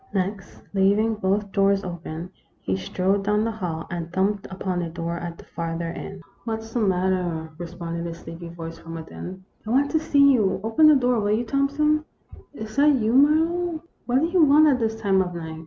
Next, leaving both doors open, he strode down the hall, and thumped upon a door at the farther end. " What 's the matter ?" responded a sleepy voice from within. " I want to see you. Open the door, will you, Thompson ?"" Is that you, Marlowe ? What do you want at this time of night